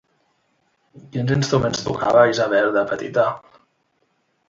Quins instruments tocava, Isabel, de petita?